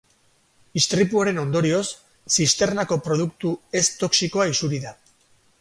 Istripuaren ondorioz, zisternako produktu ez toxikoa isuri da.